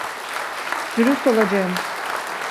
Dürüst olacağım.